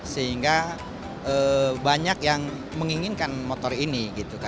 sehingga banyak yang menginginkan motor ini